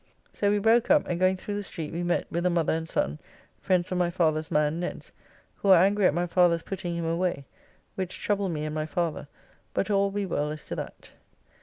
So we broke up, and going through the street we met with a mother and son, friends of my father's man, Ned's, who are angry at my father's putting him away, which troubled me and my father, but all will be well as to that.